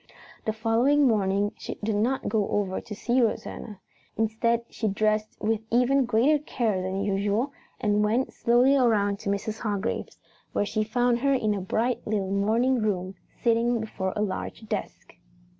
The following morning she did not go over to see Rosanna. Instead she dressed with even greater care than usual and went slowly around to Mrs. Hargrave's, where she found her in a bright little morning room, sitting before a large desk.